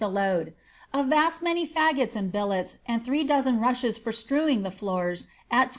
the load ( a vast many fngota and bil.cl*, and ihree dozen rushes for strewing the floors, at 2M.